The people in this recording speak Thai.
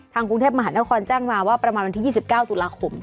กรุงเทพมหานครแจ้งมาว่าประมาณวันที่๒๙ตุลาคม